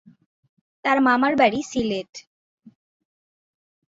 তার মামার বাড়ি সিলেটে।